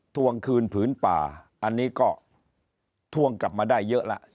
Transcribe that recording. ทวงคืนผืนป่าอันนี้ก็ทวงกลับมาได้เยอะแล้ว